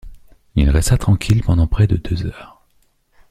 Il resta tranquille pendant près de deux heures.